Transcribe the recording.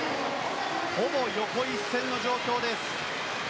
ほぼ横一線の状況です。